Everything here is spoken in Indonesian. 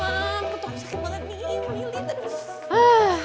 mampu tau sakit banget nih